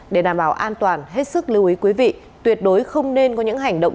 để đảm bảo an toàn hết sức lưu ý quý vị tuyệt đối không nên có những hành động